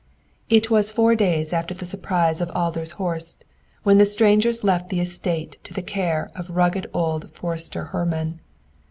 It was four days after the surprise of Adler's Horst when the strangers left the estate to the care of rugged old Forster Hermann.